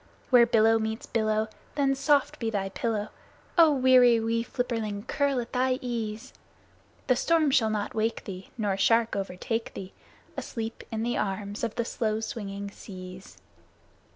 Where billow meets billow, then soft be thy pillow, Ah, weary wee flipperling, curl at thy ease! The storm shall not wake thee, nor shark overtake thee, Asleep in the arms of the slow swinging seas!